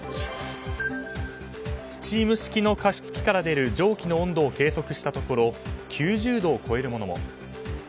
スチーム式の加湿器から出る蒸気の温度を計測したところ９０度を超えるものも。